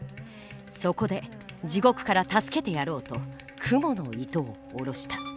そこで地獄から助けてやろうと蜘蛛の糸を下ろした。